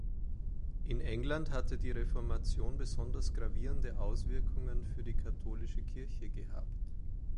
In England hatte die Reformation besonders gravierende Auswirkungen für die katholische Kirche gehabt.